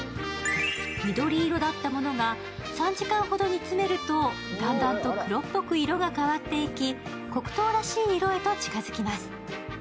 緑色だったものが３時間ほど煮詰めるとだんだんと黒っぽく色が変わっていき、黒糖らしい色へと近づきます。